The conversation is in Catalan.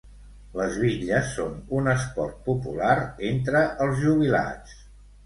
Les bitlles són un esport popular entre els jubilats.